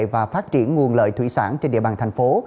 và phát triển nguồn lợi thủy sản trên địa bàn thành phố